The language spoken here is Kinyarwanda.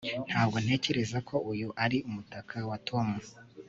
ntabwo ntekereza ko uyu ari umutaka wa tom